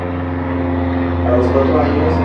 A los cuatro años, se mudó a Tokio con su familia.